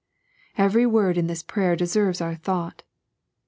Every word in this prayer deeerres our thought.